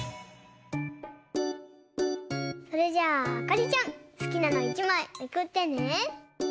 それじゃあかりちゃんすきなの１まいめくってね。